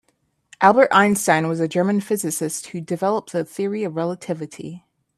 Albert Einstein was a German physicist who developed the Theory of Relativity.